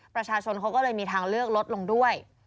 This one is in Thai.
ประชาชนเขาก็เลยมีทางเลือกลดลงด้วย